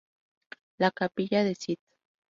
La capilla de St.